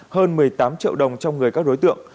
hơn một mươi tám triệu đồng trong người các đối tượng